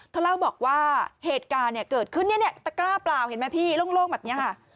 เล่าบอกว่าเหตุการณ์เนี่ยเกิดขึ้นตะกร้าเปล่าเห็นไหมพี่โล่งแบบนี้ค่ะ